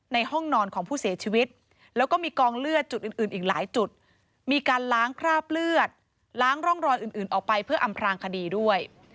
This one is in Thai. ในห้องนอนของผู้เสียชีวิตแล้วก็มีกองเลือดจุดอื่นอื่นอีกหลายจุดมีการล้างคราบเลือดล้างร่องรอยอื่นออกไปเพื่ออำพลางคดีด้วย